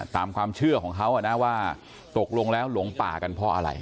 ตามความเชื่อของเขานะว่าตกลงแล้วหลงป่ากันเพราะอะไร